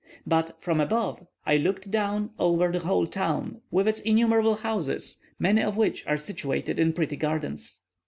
But, from above, I looked down over the whole town, with its innumerable houses, many of which are situated in pretty gardens.